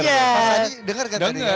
mas adi dengar kan tadi